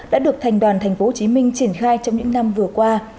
đã được thành đoàn tp hcm triển khai trong những năm vừa qua